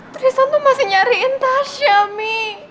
tristan tuh masih nyariin tasya mi